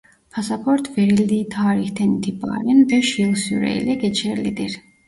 Pasaport verildiği tarihten itibaren beş yıl süreyle geçerlidir.